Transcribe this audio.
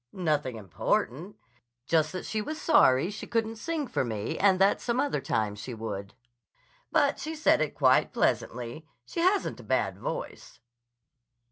"Nothing important. Just that she was sorry she couldn't sing for me and that some other time she would. But she said it quite pleasantly. She hasn't a bad voice."